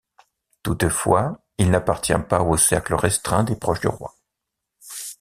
Toutefois, il n'appartient pas au cercle restreint des proches du roi.